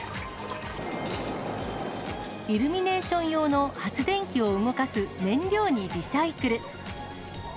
イルミネーション用の発電機を動かす燃料にリサイクル。